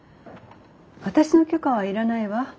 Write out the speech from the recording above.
私の許可はいらないわ。